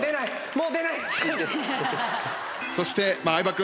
そして相葉君。